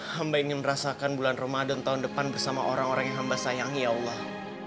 hamba ini merasakan bulan ramadan tahun depan bersama orang orang yang hamba sayangi ya allah